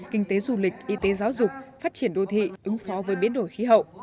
kinh tế du lịch y tế giáo dục phát triển đô thị ứng phó với biến đổi khí hậu